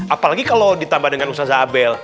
apalagi kalau ditambah dengan ustadz abel